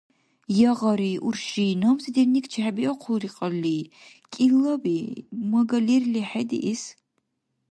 Ягъари, урши, набзи дневник чехӀебиахъулри кьалли? КӀилаби–мага лерли хӀедиэс?